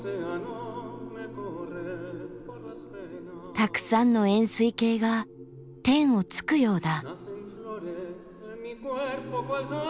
たくさんの円すい形が天を突くようだ。